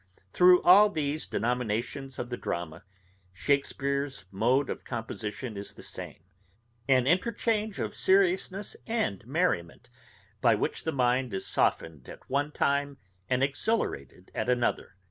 Through all these denominations of the drama, Shakespeare's mode of composition is the same; an interchange of seriousness and merriment, by which the mind is softened at one time, and exhilarated at another.